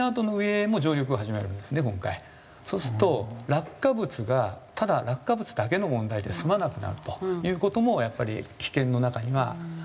そうすると落下物がただ落下物だけの問題で済まなくなるという事もやっぱり危険の中には指摘されなきゃいけない。